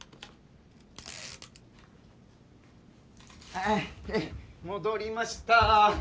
はい戻りました。